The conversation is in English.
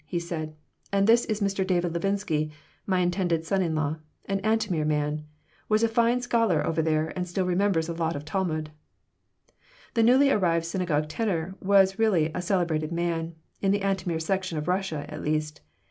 he said. "And this is Mr. David Levinsky, my intended son in law. An Antomir man. Was a fine scholar over there and still remembers a lot of Talmud." The newly arrived synagogue tenor was really a celebrated man, in the Antomir section of Russia, at least.